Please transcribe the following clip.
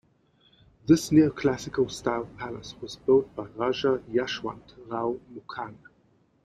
This neoclassical style palace was built by Raja Yashwant Rao Mukane.